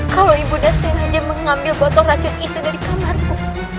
kalau ibunya sengaja mengambil botol racun itu dari kamarku